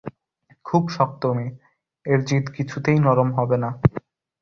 খুব শক্ত মেয়ে, এর জিদ কিছুতেই নরম হবে না।